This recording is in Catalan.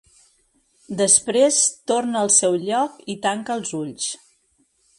Després torna al seu lloc i tanca els ulls.